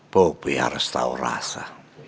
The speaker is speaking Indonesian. bobi harus tahu rasa